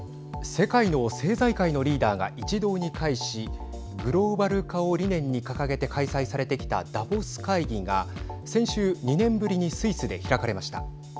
世界の政財界のリーダーが一堂に会しグローバル化を理念に掲げて開催されてきたダボス会議が先週、２年ぶりにスイスで開かれました。